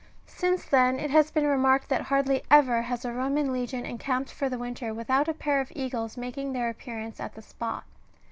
Since then, it has been remarked that hardly ever has a Roman legion encamped for the winter, without a pair of eagles making their appearance at the spot.